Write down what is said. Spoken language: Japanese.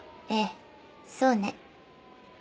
ええそうね。